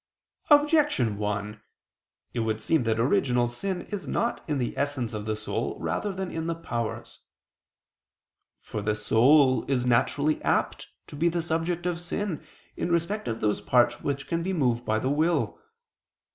Objection 1: It would seem that original sin is not in the essence of the soul rather than in the powers. For the soul is naturally apt to be the subject of sin, in respect of those parts which can be moved by the will.